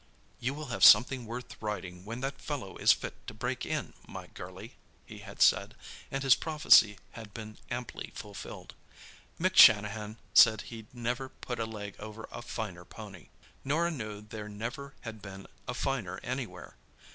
"You will have something worth riding when that fellow is fit to break in, my girlie," he had said, and his prophecy had been amply fulfilled. Mick Shanahan said he'd never put a leg over a finer pony. Norah knew there never had been a finer anywhere.